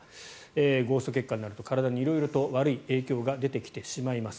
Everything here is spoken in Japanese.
ゴースト血管になると体に色々と悪い影響が出てきてしまいます。